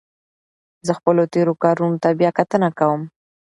زه خپلو تېرو کارونو ته بیا کتنه کوم.